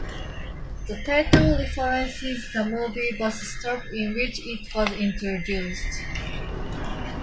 The title references the movie, "Bus Stop", in which it was introduced.